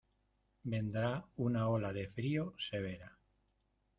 Vendrá una ola de frío severa.